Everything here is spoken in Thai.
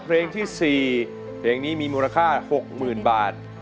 เพลงที่๔เพลงนี้มีมูลค่า๖๐๐๐บาท